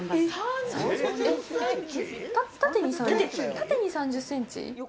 縦に３０ｃｍ？